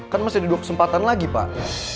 kan masih ada dua kesempatan lagi pak